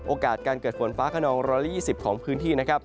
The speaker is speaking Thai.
โอกาสการเกิดฝนฟ้าขนอง๑๒๐ของพื้นที่นะครับ